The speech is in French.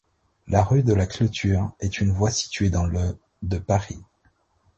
La rue de la Clôture est une voie située dans le de Paris.